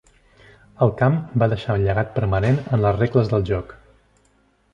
El camp va deixar un llegat permanent en les regles del joc.